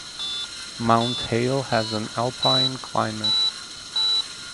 Mount Hale has an alpine climate.